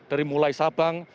dari mulai sabang